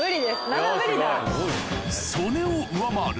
７無理だ。